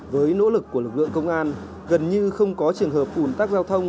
với nỗ lực của lực lượng công an gần như không có trường hợp ủn tắc giao thông